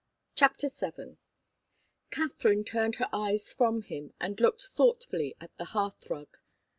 CHAPTER VII. Katharine turned her eyes from him and looked thoughtfully at the hearth rug.